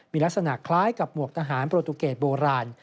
มีลักษณะคล้ายกับหมวกทหารโปรตูเกตโบราณ